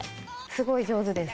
すごい上手です。